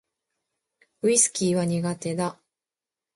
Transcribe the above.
ウィスキーは苦手だ